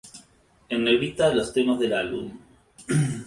En negrita los temas del álbum.